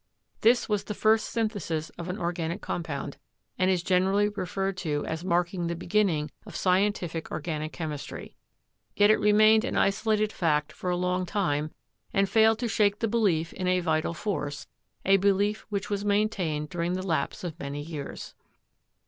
This was the first synthesis of an organic compound, and is generally referred to as marking the beginning of scientific organic chemistry. Yet it remained an isolated fact for a long time and failed to shake the belief in a "vital force," a belief which was maintained during the lapse of many years.